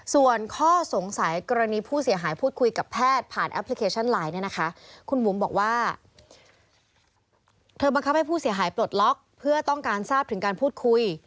ส่วนข้อสงสัยกรณีผู้เสียหายพูดคุยกับแพทย์ผ่านแอปพลิเคชันไลน์เนี่ยนะคะคุณบุ๋มบอกว่าเธอบังคับให้ผู้เสียหายปลดล็อกเพื่อต้องการทราบถึงการพูดคุย